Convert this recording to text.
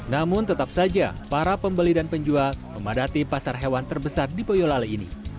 namun tetap saja para pembeli dan penjual memadati pasar hewan terbesar di boyolali ini